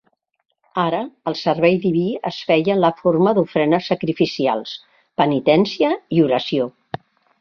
Ara el servei diví es feia en la forma d'ofrenes sacrificials, penitència i oració.